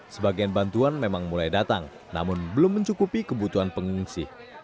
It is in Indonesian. sebagian bantuan memang mulai datang namun belum mencukupi kebutuhan pengungsi